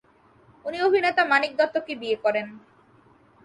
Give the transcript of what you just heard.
উনি অভিনেতা মানিক দত্তকে বিয়ে করেন।